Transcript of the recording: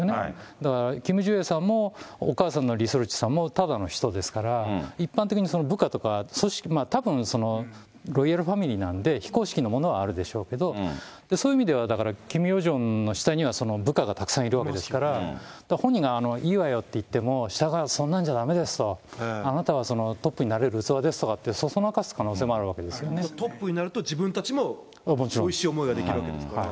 だからキム・ジュエさんもお母さんもリ・ソルジュさんも、ただの人ですから、一般的に部下とか組織、たぶん、ロイヤルファミリーなんで、非公式のものはあるでしょうけど、そういう意味では、だからキム・ヨジョンの下には部下がたくさんいるわけですから、本人がいいわよって言っても、下がそんなんじゃだめですと、あなたはトップになれる器ですとか、そそのかす可能性もあるわけトップになると、自分たちもおいしい思いができるわけですからね。